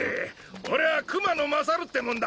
俺は熊野勝って者だ。